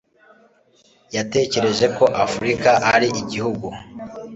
yatekereje ko Afurika ari igihugu.